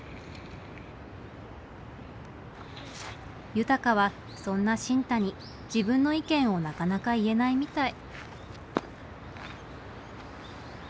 悠鷹はそんな新太に自分の意見をなかなか言えないみたい。